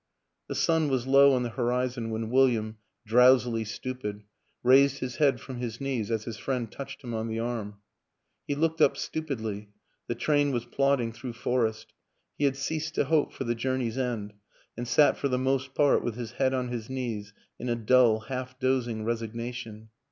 The sun was low on the horizon when William, drowsily stupid, raised his head from his knees as his friend touched him on the arm. He looked up stupidly the train was plodding through forest; he had ceased to hope for the journey's end and sat for the most part with his head on his knees in a dull, half dozing resigna tion.